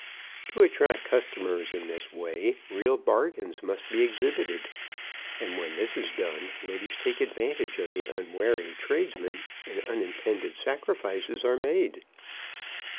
To attract customers in this way, real bargains must be exhibited; and when this is done, ladies take advantage of the unwary tradesman, and unintended sacrifices are made.